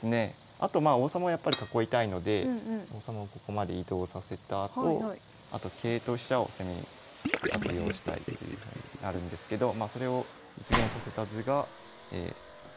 あとまあ王様はやっぱり囲いたいので王様をここまで移動させたあとあと桂と飛車を攻めに活用したいというふうになるんですけどそれを実現させた図が。